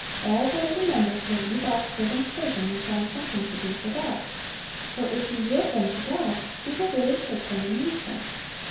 All the little members will leave off serving Satan, and find something to do for God; for if you "yield" them to God, He will really take them and use them.